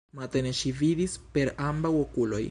Matene ŝi vidis per ambaŭ okuloj.